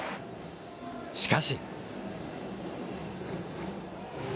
しかし。